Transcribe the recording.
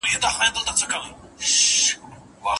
زوی ساعت نه خرڅوي.